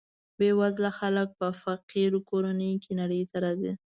بې وزله خلک په فقیر کورنیو کې نړۍ ته راځي.